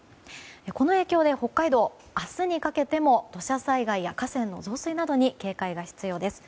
この影響で北海道明日にかけても土砂災害や河川の増水などに警戒が必要です。